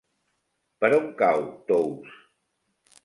Per on cau Tous?